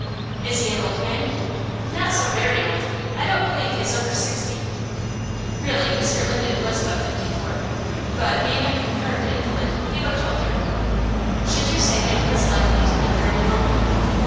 "Is he an old man?" "Not so very old. I don't believe he is over sixty." Really Mr. Linden was but fifty four, but, being a confirmed invalid, he looked older. "Should you say that he was likely to live very long?"